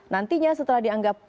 nantinya setelah dianggap